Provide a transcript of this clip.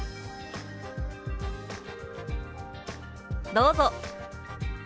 どうぞ。